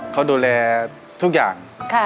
เขาดูแลทุกอย่าง